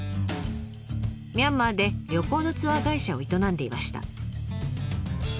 ミャンマーで旅行のツアー会社を営んでいました。